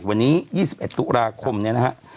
วันนี้๒๑ตุลาคมเนี่ยนะฮะ